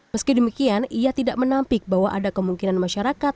meski demikian ia tidak menampik bahwa ada kemungkinan masyarakat